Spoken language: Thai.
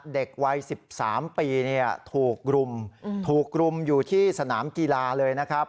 เด็กวัย๑๓ปีถูกรุมถูกรุมอยู่ที่สนามกีฬาเลยนะครับ